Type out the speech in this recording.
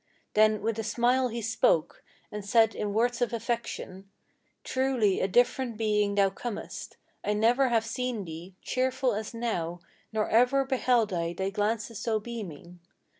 Then with a smile he spoke, and said in words of affection: "Truly a different being thou comest! I never have seen thee Cheerful as now, nor ever beheld I thy glances so beaming.